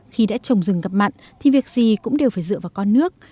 khi đã trồng rừng cặp mặt thì việc gì cũng đều phải dựa vào con nước